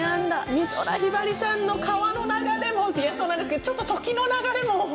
美空ひばりさんの『川の流れ』もそうなんですけどちょっと『時の流れ』も。